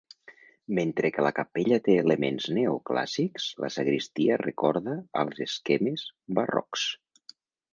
Mentre que la capella té elements neoclàssics, la sagristia recorda als esquemes barrocs.